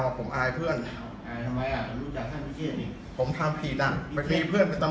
ทราบเป็นเพื่อนกับเชียงใหม่หนึ่งเชียงใหม่หนึ่งท่านอะไร